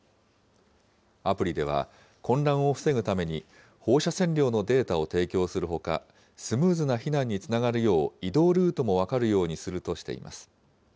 アプリでは、混乱を防ぐために放射線量のデータを提供するほか、スムーズな避難につながるよう、移動ルートも分かるようにするとしています。